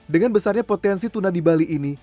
dengan besarnya potensi tuna di bali ini